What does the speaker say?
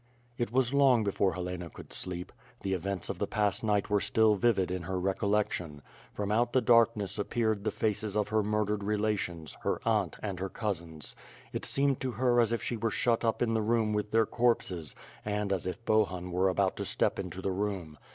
It was long before Helena could sleep; the events of the past night were still vivid in her recollection; from out the darkness appeared the faces of her murdered relations, her aunt, and her cousins. It seemed to her as if she were shut up in the room with their corpses, and as if Bohun were about to step into the room.